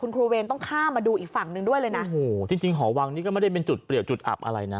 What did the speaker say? ครูเวรต้องข้ามมาดูอีกฝั่งหนึ่งด้วยเลยนะโอ้โหจริงจริงหอวังนี่ก็ไม่ได้เป็นจุดเปรียวจุดอับอะไรนะ